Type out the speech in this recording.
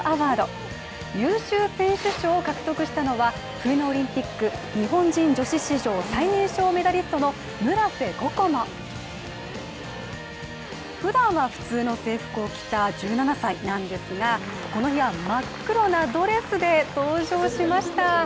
優秀選手賞を獲得したのは冬のオリンピック日本人女子史上、ふだんは普通の制服を着た１７歳なんですがこの日は真っ黒なドレスで登場しました。